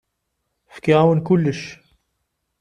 Fkiɣ-awen kullec.